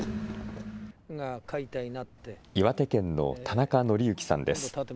岩手県の田中教之さんです。